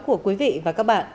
của quý vị và các bạn